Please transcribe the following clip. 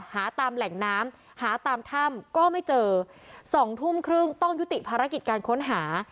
หาตามแหล่งน้ำหาตามถ้ำก็ไม่เจอ๒ทุ่มครึ่งต้องยุติภารกิจการค้นหา